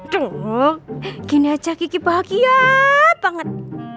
dong gini aja kiki bahagia banget